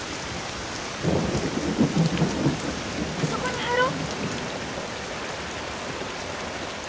そこに入ろう。